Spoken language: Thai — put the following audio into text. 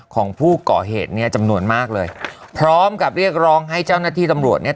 ของผู้ก่อเหตุเนี่ยจำนวนมากเลยพร้อมกับเรียกร้องให้เจ้าหน้าที่ตำรวจเนี่ย